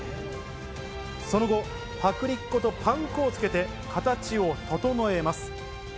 その後、薄力粉とパン粉をつけて、形を整えます。